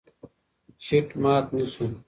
شیټ مات نه شو.